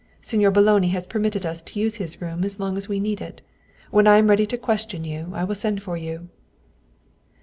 Signor Boloni has permitted us to use his room as long as we need it. When I am ready to question you I will send for you."